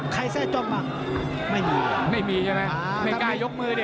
แทร่จ้องบ้างไม่มีไม่มีใช่ไหมไม่กล้ายกมือดิ